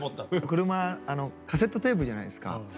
車カセットテープじゃないですか。